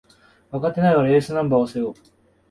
若手ながらエースナンバーを背負う